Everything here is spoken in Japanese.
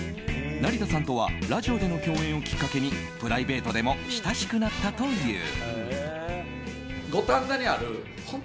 成田さんとはラジオでの共演をきっかけにプライベートでも親しくなったという。